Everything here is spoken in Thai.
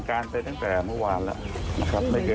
อาจจะทราบผล